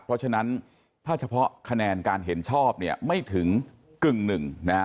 เพราะฉะนั้นถ้าเฉพาะคะแนนการเห็นชอบเนี่ยไม่ถึงกึ่งหนึ่งนะฮะ